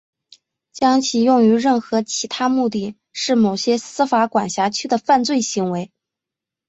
将其用于任何其他目的是某些司法管辖区的犯罪行为。